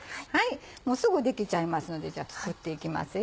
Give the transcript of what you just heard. もうすぐ出来ちゃいますので作っていきますよ。